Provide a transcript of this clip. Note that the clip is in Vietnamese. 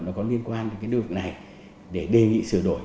nó có liên quan đến cái điều này để đề nghị sửa đổi